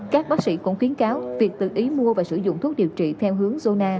các bác sĩ cũng khuyến cáo việc tự ý mua và sử dụng thuốc điều trị theo hướng zona